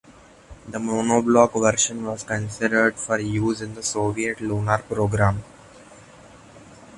The monoblock version was considered for use in the Soviet lunar program.